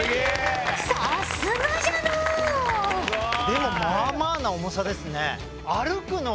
でもまあまあな重さですね。